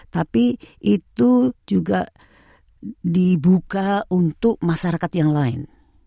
tapi itu juga dibuka untuk masyarakat yang lain